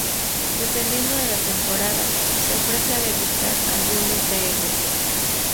Dependiendo de la temporada, se ofrece a degustar algunos de ellos.